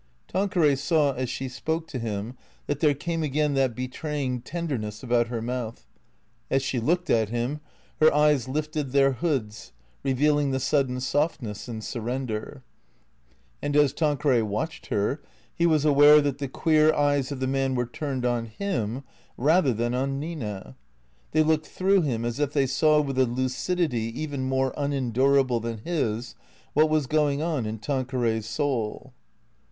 Tanqueray saw as she spoke to him that there came again that betraying tenderness about her mouth ; as she looked at him, her eyes lifted their hoods, revealing the sudden softness and sur render. And as Tanqueray watched her he was aware that the queer eyes of the man were turned on him, rather than on Nina. They looked through him, as if they saw with a lucidity even more unendurable than his, what was going on in Tanqueray's soul.